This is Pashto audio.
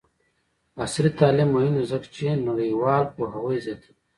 عصري تعلیم مهم دی ځکه چې نړیوال پوهاوی زیاتوي.